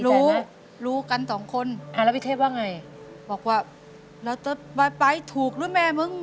รู้รู้กันสองคนอ่าแล้วพี่เทพว่าไงบอกว่าเราจะไปถูกหรือแม่มึง